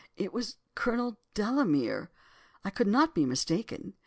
It was Colonel Delamere! I could not be mistaken.